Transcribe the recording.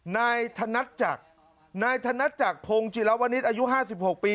นายธนัดจักรนายธนัดจักรพงศ์จิลวนิษฐ์อายุ๕๖ปี